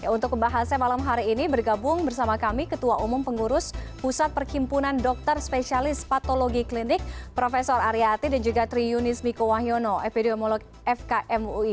untuk membahasnya malam hari ini bergabung bersama kami ketua umum pengurus pusat perkimpunan dokter spesialis patologi klinik prof aryati dan juga tri yunis miko wahyono epidemiolog fkmui